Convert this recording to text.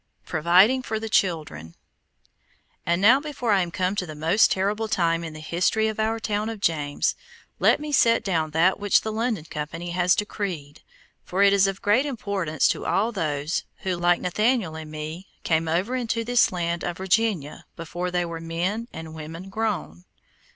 PROVIDING FOR THE CHILDREN And now before I am come to the most terrible time in the history of our town of James, let me set down that which the London Company has decreed, for it is of great importance to all those who, like Nathaniel and me, came over into this land of Virginia before they were men and women grown.